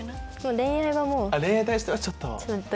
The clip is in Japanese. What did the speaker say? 恋愛に対してはちょっと。